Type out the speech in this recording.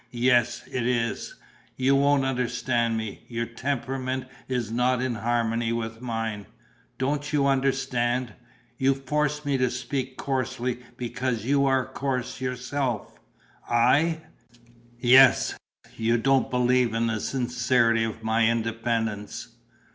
"Yes, it is. You won't understand me. Your temperament is not in harmony with mine. Don't you understand? You force me to speak coarsely, because you are coarse yourself." "I?" "Yes. You don't believe in the sincerity of my independence."